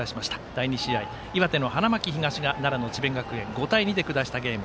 第３試合、岩手、花巻東が奈良、智弁学園を５対２で下したゲーム。